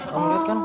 kamu liat kan